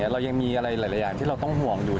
เรายังมีอะไรหลายอย่างที่เราต้องห่วงอยู่